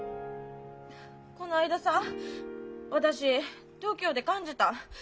こないださ私東京で感じた。